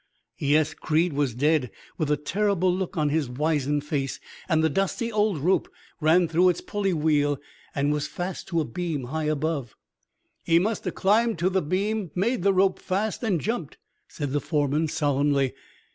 Yes, Creed was dead, with a terrible look on his wizen face, and the dusty old rope ran through its pulley wheel and was fast to a beam high above. "'He must of climbed to the beam, made the rope fast, and jumped,' said the foreman, solemnly.